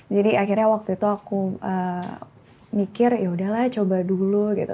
jadi akhirnya waktu itu aku mikir yaudahlah coba dulu gitu